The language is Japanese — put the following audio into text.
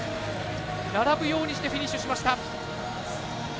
並ぶようにしてフィニッシュしました。